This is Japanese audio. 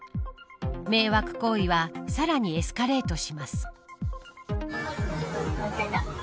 迷惑行為はさらにエスカレートします。